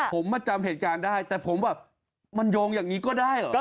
ผมมาจำเหตุการณ์ได้แต่ผมแบบมันโยงอย่างนี้ก็ได้เหรอ